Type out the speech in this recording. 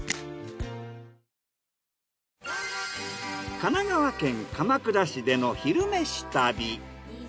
神奈川県鎌倉市での「昼めし旅」。